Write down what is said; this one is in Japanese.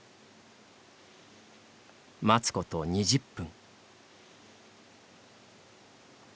待つこと２０分。